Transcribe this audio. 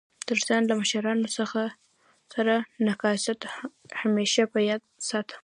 تر ځان له مشرانو سره نزاکت همېشه په یاد ساته!